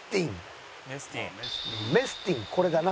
メスティンこれだな。